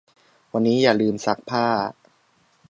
วันนี้อย่าลืมซักผ้า